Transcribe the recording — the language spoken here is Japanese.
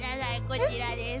こちらです。